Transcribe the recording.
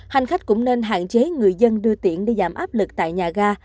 hành khách cũng nên hạn chế người dân đưa tiện để giảm áp lực tại nhà ga